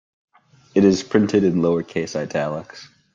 It is printed in lowercase italics.